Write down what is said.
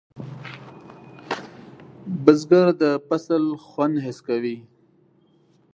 بزګر د فصل خوند حس کوي